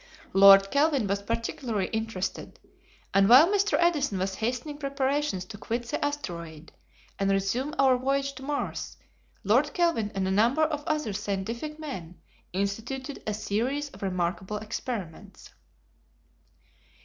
Lord Kelvin was particularly interested, and while Mr. Edison was hastening preparations to quit the asteroid and resume our voyage to Mars, Lord Kelvin and a number of other scientific men instituted a series of remarkable experiments.